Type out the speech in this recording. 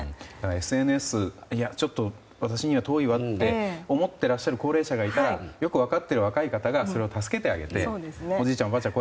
ＳＮＳいや、ちょっと私には遠いなんて思ってらっしゃる高齢者がいたらよく分かっている若い方がそれを助けてあげておじいちゃん、おばあちゃん